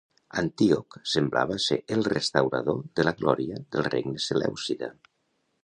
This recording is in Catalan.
Antíoc semblava ser el restaurador de la glòria del Regne Selèucida.